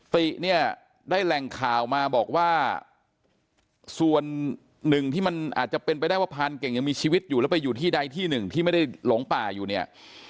ติเนี่ยได้แหล่งข่าวมาบอกว่าส่วนหนึ่งที่มันอาจจะเป็นไปได้ว่าพรานเก่งยังมีชีวิตอยู่แล้วไปอยู่ที่ใดที่หนึ่งที่ไม่ได้หลงป่าอยู่เนี่ย